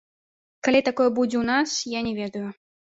Калі такое будзе ў нас, я не ведаю.